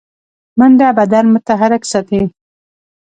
منډه بدن متحرک ساتي